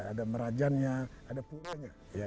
ada merajannya ada puranya